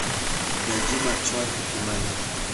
De allí marchó a Tucumán.